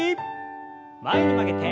前に曲げて。